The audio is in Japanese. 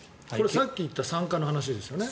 さっき言った酸化の話ですよね。